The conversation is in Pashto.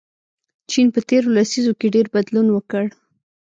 چین په تیرو لسیزو کې ډېر بدلون وکړ.